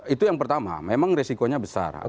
itu yang pertama memang risikonya besar